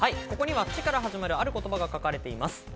ここには「チ」から始まる、ある言葉が書かれています。